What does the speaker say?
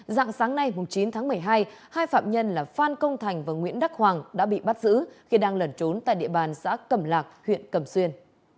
dạng sáng nay chín tháng một mươi hai hai phạm nhân là phan công thành và nguyễn đắc hoàng đã bị bắt giữ khi đang lẩn trốn tại địa bàn xã cẩm lạc huyện cẩm xuyên